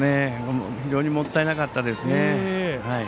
非常にもったいなかったですね。